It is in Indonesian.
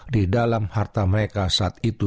di dalam harta mereka saat itu